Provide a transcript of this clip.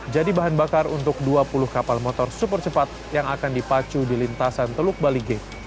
jadi bahan bakar untuk dua puluh kapal motor super cepat yang akan dipacu di lintasan teluk balige